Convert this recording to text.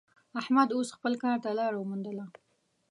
احمد اوس خپل کار ته لاره ومېندله.